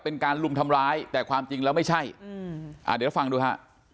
เป็นการลุมทำร้ายแต่ความจริงแล้วไม่ใช่อืมอ่าเดี๋ยวฟังดูฮะ